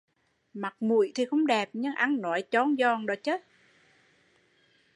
Mặt mũi không đẹp nhưng ăn nói chon giòn